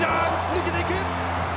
抜けていく！